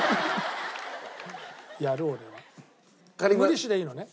無利子でいいのね？